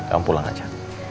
kamu pulang aja